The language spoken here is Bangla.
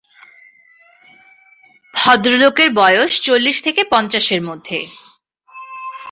ভদ্রলোকের বয়স চল্লিশ থেকে পঞ্চাশের মধ্যে।